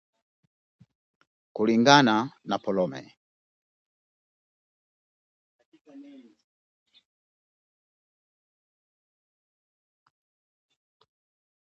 Kulingana na Polome